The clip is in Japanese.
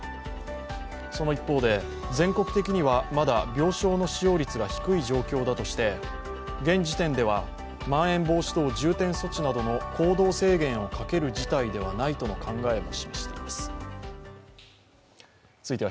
その一方で、全国的にはまだ病床の使用率が低い状況だとして現時点では、まん延防止等重点措置などの行動制限をかける事態ではないとの考えを示しています。